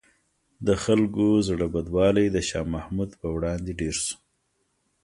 د خلکو زړه بدوالی د شاه محمود په وړاندې ډېر شو.